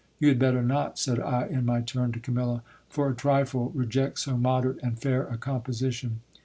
You had better not, said I in my turn to Camilla, for a trifle, reject so moderate and fair a composition.